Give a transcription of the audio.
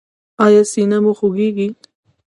ایا سینه مو خوږیږي؟